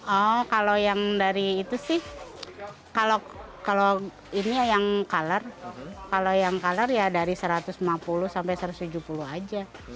oh kalau yang dari itu sih kalau ini ya yang color kalau yang color ya dari satu ratus lima puluh sampai satu ratus tujuh puluh aja